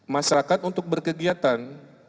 masyarakat untuk berkegiatan